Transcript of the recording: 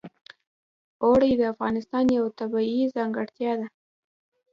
اوړي د افغانستان یوه طبیعي ځانګړتیا ده.